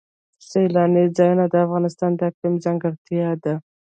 سیلانی ځایونه د افغانستان د اقلیم ځانګړتیا ده.